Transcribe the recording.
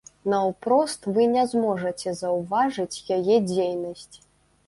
Наўпрост вы не зможаце заўважыць яе дзейнасць.